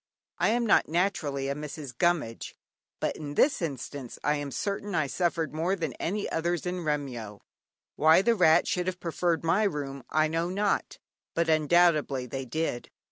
I am not naturally a "Mrs. Gummidge," but in this instance I am certain I suffered more than any others in Remyo. Why the rats should have preferred my room I know not, but undoubtedly they did.